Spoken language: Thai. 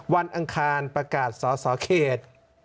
อังคารประกาศสอสอเขต